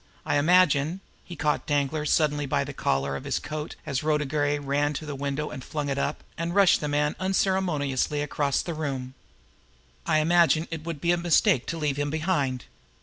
I imagine" he caught Danglar suddenly by the collar of his coat as Rhoda Gray ran to the window and flung it up, and rushed the man unceremoniously across the room "I imagine it would be a mistake to leave him behind.